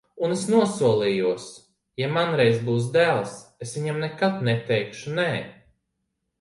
Un es nosolījos: ja man reiz būs dēls, es viņam nekad neteikšu nē.